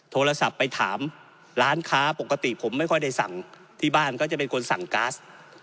โทรศัพท์ไปถามร้านค้าปกติผมไม่ค่อยได้สั่งที่บ้านก็จะเป็นคนสั่งก๊าซ